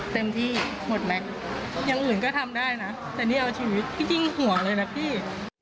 เต็มที่หมดแม็กซ์อย่างอื่นก็ทำได้นะแต่นี่เอาชีวิตพี่ยิ่งห่วงเลยนะพี่